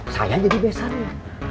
saya jadi besarnya